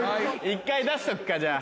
１回出しとくかじゃあ。